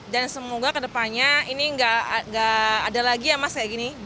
dan semoga ke depannya ini tidak ada lagi ya mas kayak gini